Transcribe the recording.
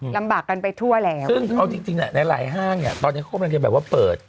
ลำบากกันไปทั่วแล้วอืมอ่ะจริงในหลายห้างตอนนี้เขาก็เปิด